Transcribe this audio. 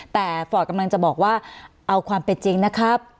แต่ฟอร์ตกำลังจะบอกว่าเอาความเป็นจริงนะครับ